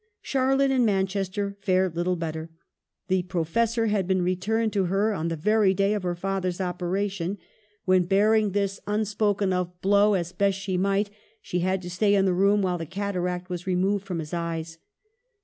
Charlotte in Manchester fared little better. 'The Professor' had been returned to heron the very day of her father's operation, when (bearing 204 EMILY BRONTE. this unspoken of blow as best she might) she had to stay in the room while the cataract was removed from his eyes.